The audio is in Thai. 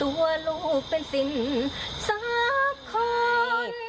ตัวลูกเป็นสิ่งทรัพย์ของ